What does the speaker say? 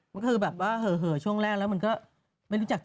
มันคือแบบว่าเหอะช่วงแรกแล้วมันก็ไม่รู้จักเธอ